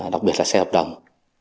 đặc biệt là xe hợp đồng